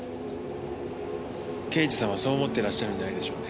刑事さんはそう思ってらっしゃるんじゃないでしょうね。